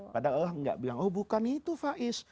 padahal allah gak bilang oh bukan itu faiz